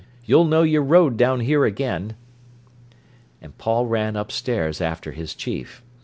You'll know your road down here again." And Paul ran upstairs after his chief.